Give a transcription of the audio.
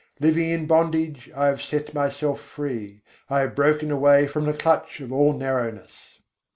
Living in bondage, I have set myself free: I have broken away from the clutch of all narrowness.